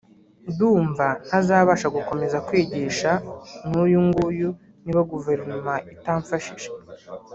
ndumva ntazabasha gukomeza kwigisha n’uyunguyu niba Guverinoma itamfashije